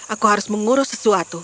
aku harus mengurus sesuatu